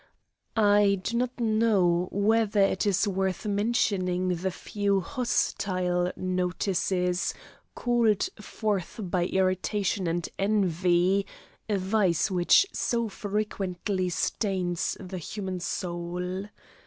I do not know whether it is worth mentioning the few hostile notices called forth by irritation and envy a vice which so frequently stains the human soul.